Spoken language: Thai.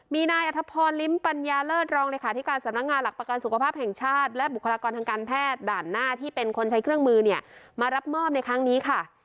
มีนายอัธพรลิ้มปัญญาเลิศรองเลขาธิการสำนักงานหลักประกันสุขภาพแห่งชาติและบุคลากรทางการแพทย์ด่านหน้าที่เป็นคนใช้เครื่องมือเนี่ยมารับมอบในครั้งนี้ค่ะ